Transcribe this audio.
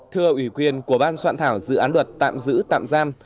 thưa ủy quyền của ban soạn thảo dự án luật tạm giữ tạm giam